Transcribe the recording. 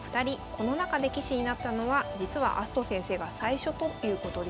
この中で棋士になったのは実は明日斗先生が最初ということでした。